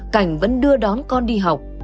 cảnh vẫn đưa đón con đi học